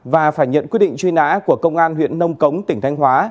và phải nhận quyết định truy nã của công an huyện nông cống tỉnh thanh hóa